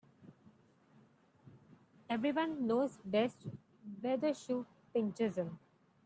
Every one knows best where the shoe pinches him